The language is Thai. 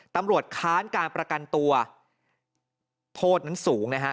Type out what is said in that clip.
ค้านการประกันตัวโทษนั้นสูงนะฮะ